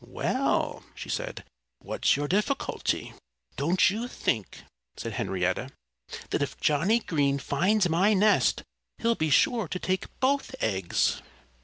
"Well!" she said. "What's your difficulty?" "Don't you think," said Henrietta, "that if Johnnie Green finds my nest he'll be sure to take both eggs?"